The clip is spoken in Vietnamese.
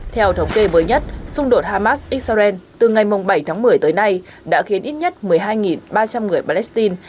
theo thống kê mới nhất xung đột hamas israel từ ngày bảy tháng một mươi tới nay đã khiến ít nhất một mươi hai ba trăm linh người palestine